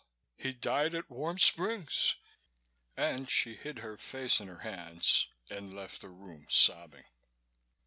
"He died at Warm Springs." And she hid her face in her hands and left the room, sobbing.